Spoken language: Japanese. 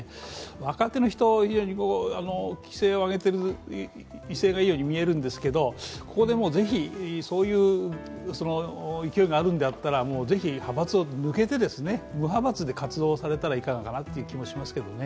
若手の人、気勢を上げている、威勢がいいように見えるんですけど、ここでもう、ぜひ、そういう勢いがあるんであったらぜひ派閥を抜けて、無派閥で活動されたらいかがかなという気もしますけどね。